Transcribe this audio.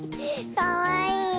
かわいいよ。